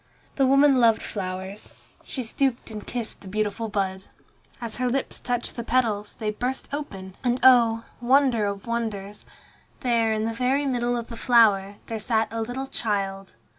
The woman loved flowers. She stooped and kissed the beautiful bud. As her lips touched the petals, they burst open, and oh! wonder of wonders! there, in the very middle of the flower, there sat a little child.